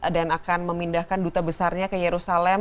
dan akan memindahkan duta besarnya ke yerusalem